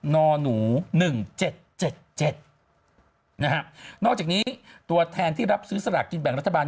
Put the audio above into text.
นหนู๑๗๗นะฮะนอกจากนี้ตัวแทนที่รับซื้อสลากกินแบ่งรัฐบาล